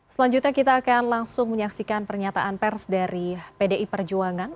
selanjutnya kita akan langsung menyaksikan pernyataan pers dari pdi perjuangan